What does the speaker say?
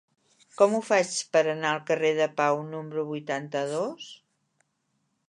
Com ho faig per anar al carrer de Pau número vuitanta-dos?